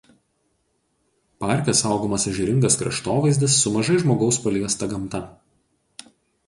Parke saugomas ežeringas kraštovaizdis su mažai žmogaus paliesta gamta.